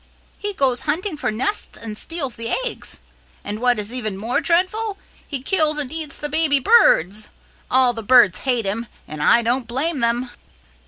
He goes hunting for nests and steals the eggs, and what is even more dreadful, he kills and eats the baby birds. All the birds hate him, and I don't blame them."